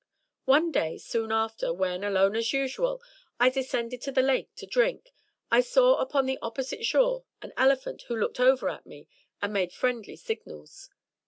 One day soon after, when, alone as usual, I descended to the Lake to drink, I saw upon the opposite shore an elephant who looked over at me and made friendly signals.